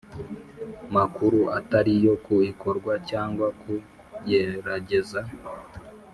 makuru atari yo ku ikorwa cyangwa ku kugerageza